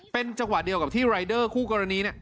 เป็นจังหวะเดียวกับที่รายเดอร์คู่กรณี